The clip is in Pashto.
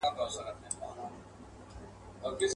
چي قاتل په غره کي ونیسي له غاره.